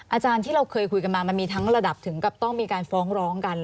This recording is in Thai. อาจารย์ที่เราเคยคุยกันมามันมีทั้งระดับถึงกับต้องมีการฟ้องร้องกัน